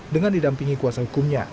dengan didampingi kuasa hukumnya